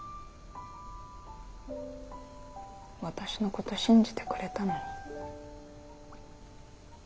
私のこと信じてくれたのに。